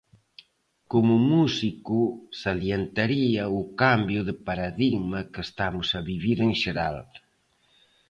Como músico salientaría o cambio de paradigma que estamos a vivir en xeral.